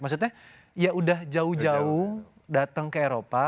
maksudnya ya udah jauh jauh datang ke eropa